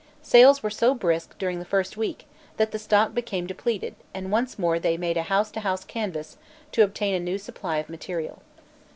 Sales were so brisk during the first week that the stock became depleted and once more they made a house to house canvass to obtain a new supply of material.